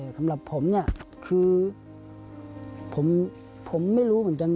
สำหรับผมเนี่ยคือผมไม่รู้เหมือนกัน